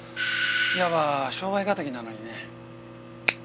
いわば商売敵なのにね。